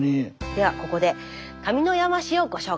ではここで上山市をご紹介！